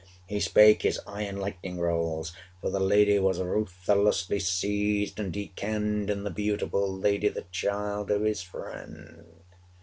He spake: his eye in lightning rolls! For the lady was ruthlessly seized; and he kenned 445 In the beautiful lady the child of his friend!